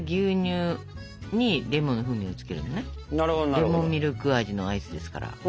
レモンミルク味のアイスですから。